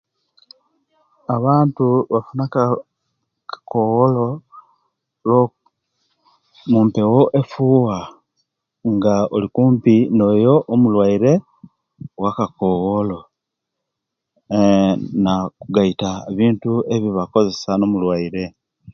Abantu bafuna akakowolo lwo mumpewo efuwa nga olikumpi noyo omulwaire owakakowolo na kugaita bintu ebebakozesya no mulwaire